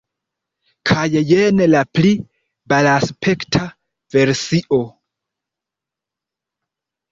Kaj jen la pli belaspekta versio